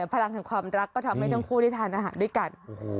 พลังแห่งความรักก็ทำให้ทั้งคู่ได้ทานอาหารด้วยกัน